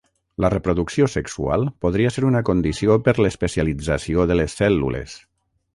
La reproducció sexual podria ser una condició per l'especialització de les cèl·lules.